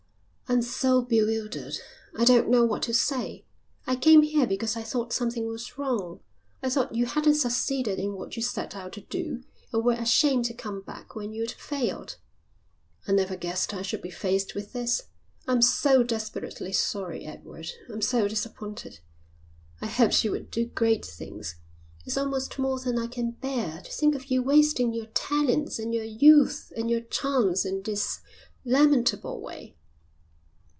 "I'm so bewildered, I don't know what to say. I came here because I thought something was wrong. I thought you hadn't succeeded in what you set out to do and were ashamed to come back when you'd failed. I never guessed I should be faced with this. I'm so desperately sorry, Edward. I'm so disappointed. I hoped you would do great things. It's almost more than I can bear to think of you wasting your talents and your youth and your chance in this lamentable way."